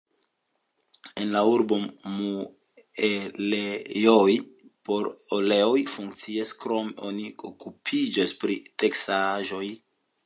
En la urbo muelejoj por oleoj funkcias, krome oni okupiĝas pri teksaĵoj.